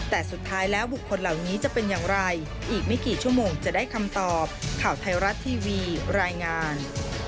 แต่สุดท้ายแล้วบุคคลเหล่านี้จะเป็นอย่างไรอีกไม่กี่ชั่วโมงจะได้คำตอบข่าวไทยรัฐทีวีรายงาน